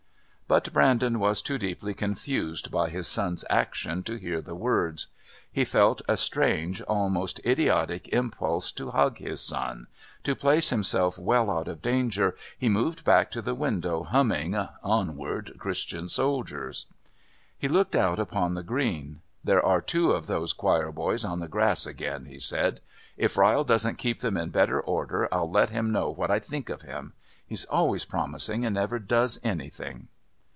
But Brandon was too deeply confused by his son's action to hear the words. He felt a strange, most idiotic impulse to hug his son; to place himself well out of danger, he moved back to the window, humming "Onward, Christian Soldiers." He looked out upon the Green. "There are two of those choir boys on the grass again," he said. "If Ryle doesn't keep them in better order, I'll let him know what I think of him. He's always promising and never does anything."